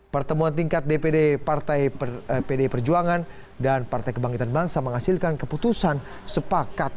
pertemuan tingkat dpd perjuangan dan partai kebangkitan bangsa menghasilkan keputusan sepakat